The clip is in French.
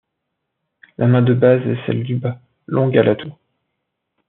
La main de base est celle du bas, longue à l'atout.